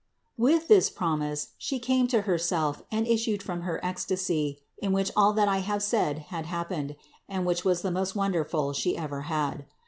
With this promise She came to Herself and issued from her ecstasy, in which all that I have said had happened, and which was the most wonderful She ever had.